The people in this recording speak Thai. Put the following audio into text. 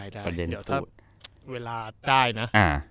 เดี๋ยวถ้าเวลาได้นะ